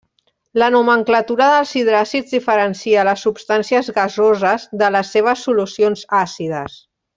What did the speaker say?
La nomenclatura dels hidràcids diferencia les substàncies gasoses de les seves solucions àcides.